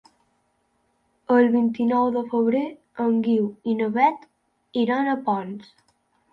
El vint-i-nou de febrer en Guiu i na Beth iran a Ponts.